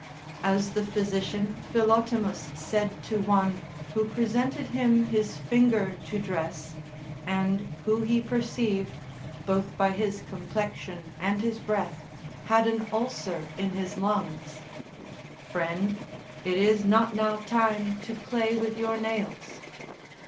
As the physician Philotimus said to one who presented him his finger to dress, and who he perceived, both by his complexion and his breath, had an ulcer in his lungs: "Friend, it is not now time to play with your nails."